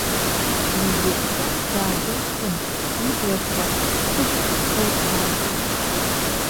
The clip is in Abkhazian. Медеҳәшьак даадәылҵын, иблақәа хәшәык рхылҭәалеит.